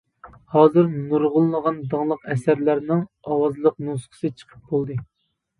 ھازىر نۇرغۇنلىغان داڭلىق ئەسەرلەرنىڭ ئاۋازلىق نۇسخىسى چىقىپ بولدى.